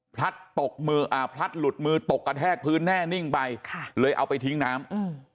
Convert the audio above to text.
พลัดหลุดมือตกกระแทกพื้นแน่นิ่งไปเลยเอาไปทิ้งน้ำ